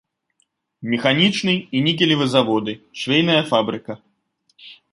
Механічны і нікелевы заводы, швейная фабрыка.